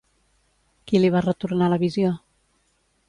Qui li va retornar la visió?